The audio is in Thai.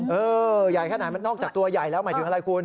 เออใหญ่แค่ไหนมันนอกจากตัวใหญ่แล้วหมายถึงอะไรคุณ